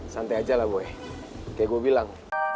santai aja lah boleh kayak gue bilang